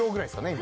今。